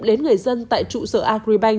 đến người dân tại trụ sở agribank